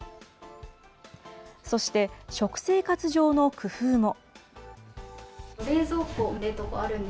そして、食生活上の工夫も。